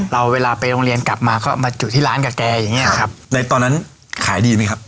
เวลาไปโรงเรียนกลับมาก็มาจุดที่ร้านกับแกอย่างเงี้ครับในตอนนั้นขายดีไหมครับ